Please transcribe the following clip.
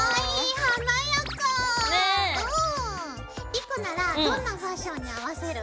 莉子ならどんなファッションに合わせる？